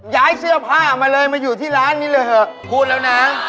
ย้ายเสื้อผ้ามาเลยมาอยู่ที่ร้านนี้เลยเหอะพูดแล้วนะ